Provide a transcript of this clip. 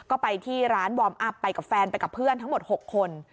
ก็ไปที่ร้านวอร์มอัพไปกับแฟนไปกับเพื่อนทั้งหมด๖คน